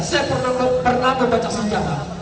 saya pernah membaca senjata